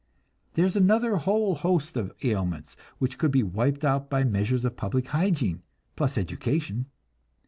There is another whole host of ailments which could be wiped out by measures of public hygiene, plus education.